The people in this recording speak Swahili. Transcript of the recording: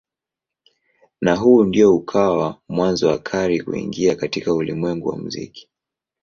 Na huu ndio ukawa mwanzo wa Carey kuingia katika ulimwengu wa muziki.